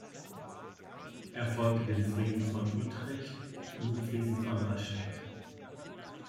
Er folgte dem Frieden von Utrecht und dem Frieden von Rastatt.